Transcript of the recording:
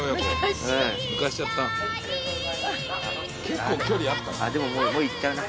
結構距離あったね。